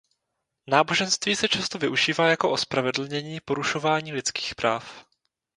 Náboženství se často využívá jako ospravedlnění porušování lidských práv.